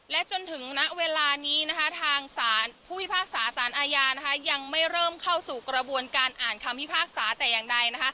และจนถึงณเวลานี้ทางสารผู้พิพากษาสารอาญายังไม่เริ่มเข้าสู่กระบวนการอ่านคำพิพากษาแต่อย่างใด